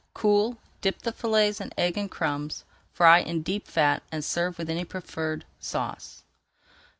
Cool, dip the fillets in egg and crumbs, fry in deep fat, and serve with any preferred sauce.